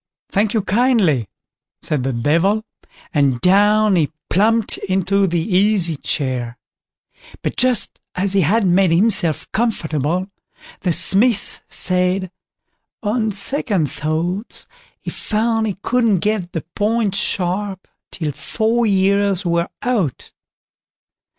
"Thank you kindly", said the Devil, and down he plumped into the easy chair; but just as he had made himself comfortable, the Smith said, on second thoughts, he found he couldn't get the point sharp till four years were out.